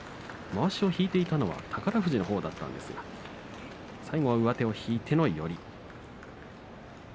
まわしを引いていたのは宝富士のほうだったんですが最後は上手を引いての寄り。